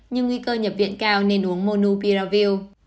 nhưng nguy cơ nhập viện cao nên uống monupiravir